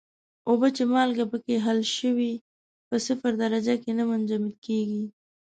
اوبه چې مالګه پکې حل شوې په صفر درجه کې نه منجمد کیږي.